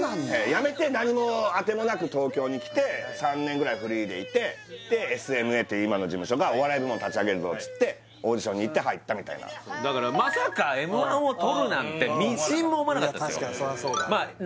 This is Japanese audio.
やめて何も当てもなく東京に来て３年ぐらいフリーでいてでＳＭＡという今の事務所がお笑い部門立ち上げるぞっつってオーディションに行って入ったみたいなだからまさかＭ−１をとるなんてみじんも思わなかったですよ